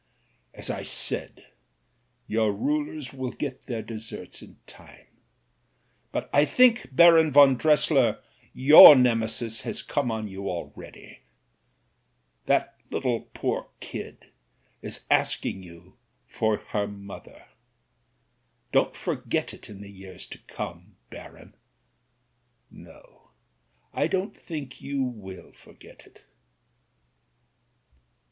"As I said, your rulers will get their deserts in time, but I think, Baron von Dressier, your Nemesis has come on you already. That little poor kid is asking you for her mother. Don't forget it in the years to come. Baron. No, I don't think you will forget it."